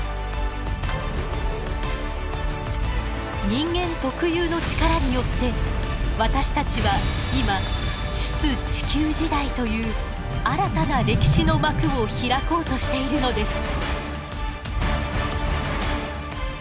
人間特有の力によって私たちは今出・地球時代という新たな歴史の幕を開こうとしているのです。